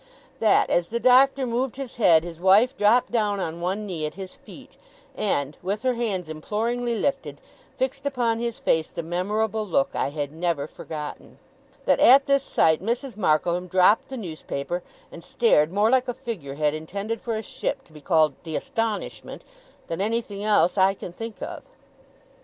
That, as the Doctor moved his head, his wife dropped down on one knee at his feet, and, with her hands imploringly lifted, fixed upon his face the memorable look I had never forgotten. That at this sight Mrs. Markleham dropped the newspaper, and stared more like a figure head intended for a ship to be called The Astonishment, than anything else I can think of.